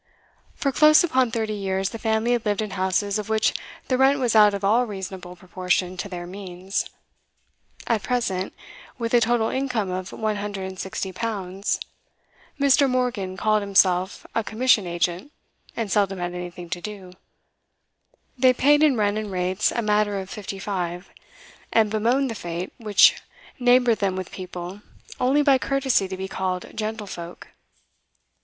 For close upon thirty years the family had lived in houses of which the rent was out of all reasonable proportion to their means; at present, with a total income of one hundred and sixty pounds (Mr. Morgan called himself a commission agent, and seldom had anything to do), they paid in rent and rates a matter of fifty five, and bemoaned the fate which neighboured them with people only by courtesy to be called gentlefolk.